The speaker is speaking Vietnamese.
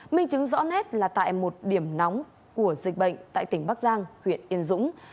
minh chứng rõ nét là tại một điểm nóng của dịch bệnh tại tỉnh bắc giang huyện yên dũng